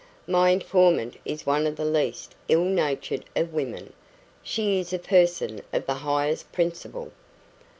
"My informant is one of the least ill natured of women; she is a person of the highest principle."